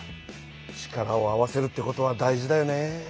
力を合わせるってことは大事だよね。